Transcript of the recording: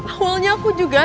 awalnya aku juga